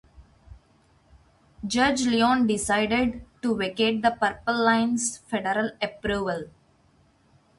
Judge Leon decided to vacate the Purple Line's federal approval.